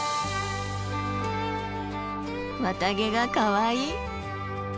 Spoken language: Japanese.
綿毛がかわいい。